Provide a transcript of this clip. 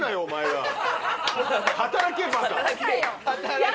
働けよバカ。